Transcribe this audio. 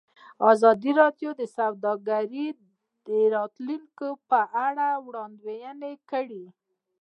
ازادي راډیو د سوداګري د راتلونکې په اړه وړاندوینې کړې.